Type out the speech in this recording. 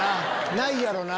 ないやろな。